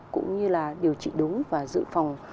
cũng như là điều trị đúng và dự phòng